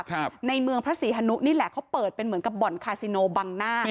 ครับในเมืองพระศรีฮนุนี่แหละเขาเปิดเป็นเหมือนกับบ่อนคาซิโนบังหน้า